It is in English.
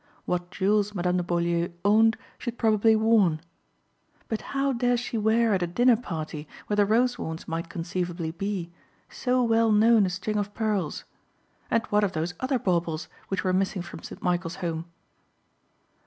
What jewels Madame de Beaulieu owned she had probably worn. But how dare she wear at a dinner party where the Rosewarne's might conceivably be, so well known a string of pearls? And what of those other baubles which were missing from St. Michael's home?